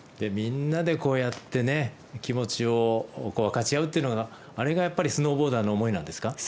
みんなでこうやってね気持ちを分かち合うというのはあれがやっぱりスノーボーダーの思いですか。